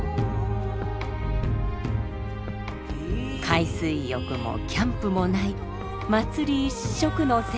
海水浴もキャンプもない祭り一色の青春。